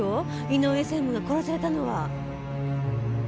井上専務が殺されたのは。